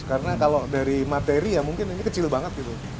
karena kalau dari materi ya mungkin ini kecil banget gitu